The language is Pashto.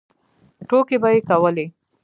ټوکې به یې کولې.